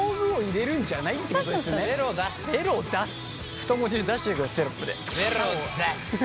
太文字で出しといてくださいテロップで。